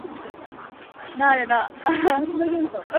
“What a story!” exclaimed his wife.